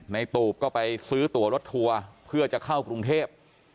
ตูบก็ไปซื้อตัวรถทัวร์เพื่อจะเข้ากรุงเทพ